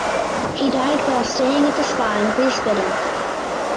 He died while staying at the spa in Wiesbaden.